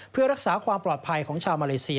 เพื่อรักษาความปลอดภัยของชาวมาเลเซีย